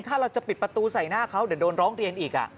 ถ้าเราจะปิดประตูใส่หน้าเขาเดี๋ยวโดนร้องเรียนอีก